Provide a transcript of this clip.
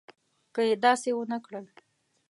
که یې داسې ونه کړل.